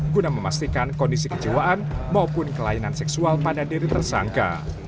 guna memastikan kondisi kejiwaan maupun kelainan seksual pada diri tersangka